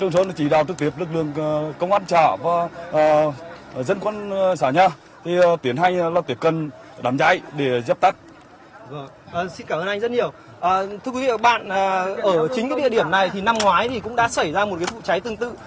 thưa quý vị và các bạn ở chính cái địa điểm này thì năm ngoái thì cũng đã xảy ra một vụ cháy tương tự